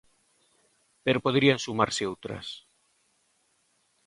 Pero poderían sumarse outras.